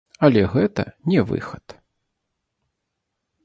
Але гэта не выхад.